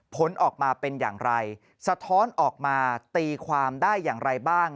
ผลออกมาเป็นอย่างไรสะท้อนออกมาตีความได้อย่างไรบ้าง